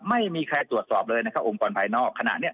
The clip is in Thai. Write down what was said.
ไม่มีใครตรวจสอบเลยในอุงกรภายนอกขณะนี้